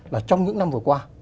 là trong những năm vừa qua